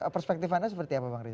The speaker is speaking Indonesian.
perspektif anda seperti apa bang riza